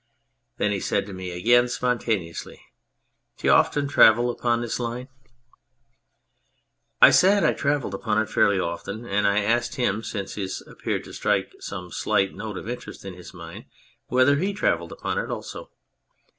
Then he said to me again spontaneously, " D'you often travel upon this line ?" I said I travelled upon it fairly often, and I asked him, since this appeared to strike some slight note of interest in his mind, whether he travelled upon it also.